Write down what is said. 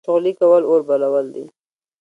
چغلي کول اور بلول دي